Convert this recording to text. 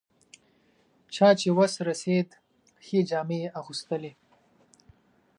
چا چې وس رسېد ښې جامې یې اغوستلې.